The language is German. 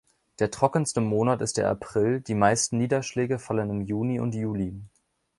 Der trockenste Monat ist der April, die meisten Niederschläge fallen im Juni und Juli.